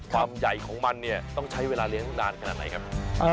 ความใหญ่ของมันเนี่ยต้องใช้เวลาเลี้ยงนานขนาดไหนครับ